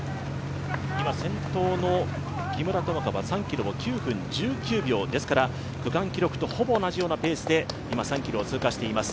今、先頭の木村友香は３ｋｍを９分１９秒、ですから区間記録とほぼ同じペースで３ｋｍを通過しています。